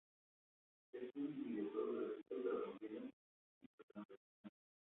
Es un videojuego gratuito pero contiene microtransacciones.